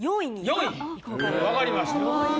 ４位分かりました。